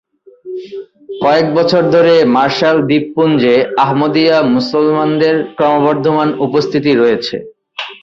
কয়েক বছর ধরে মার্শাল দ্বীপপুঞ্জে আহমদীয়া মুসলমানদের ক্রমবর্ধমান উপস্থিতি রয়েছে।